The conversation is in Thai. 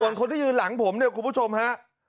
ส่วนคนที่ยืนหลังผมเนี่ยคุณผู้ชมฮะ